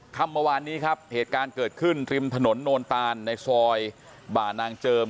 คำเมื่อวานนี้ครับเหตุการณ์เกิดขึ้นริมถนนโนนตานในซอยบ่านางเจิม